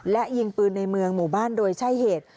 และยิงปืนในเมืองหมู่บ้านโดยใช่เหตุ